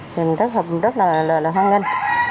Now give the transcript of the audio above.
thì mình rất là hoan nghênh